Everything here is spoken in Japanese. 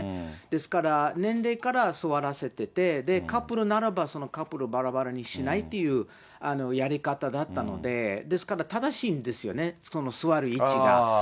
ですから、年齢から座らせてて、カップルならばそのカップルをばらばらにしないっていうやり方だったので、ですから、正しいんですよね、その座る位置が。